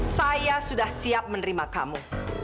saya sudah siap menerima kamu